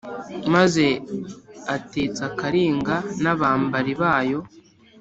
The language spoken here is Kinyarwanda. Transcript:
maze atetsa kalinga n’abambari bayo